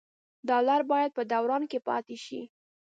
ډالر باید په دوران کې پاتې شي.